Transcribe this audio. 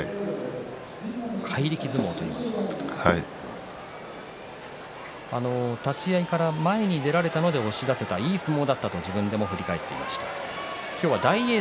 怪力相撲といいますか立ち合いから前に出られたので押し出せた、いい相撲だったと自分で振り返っています。